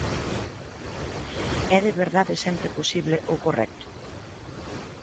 É de verdade sempre posible ou correcto?